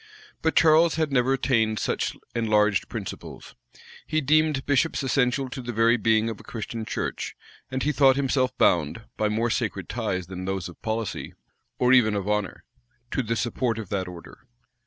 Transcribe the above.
But Charles had never attained such enlarged principles. He deemed bishops essential to the very being of a Christian church; and he thought himself bound, by more sacred ties than those of policy, or even of honor, to the support of that order.